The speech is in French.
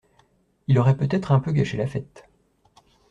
Il aurait peut-être un peu gâché la fête.